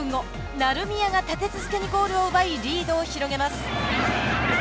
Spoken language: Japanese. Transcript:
成宮が立て続けにゴールを奪いリードを広げます。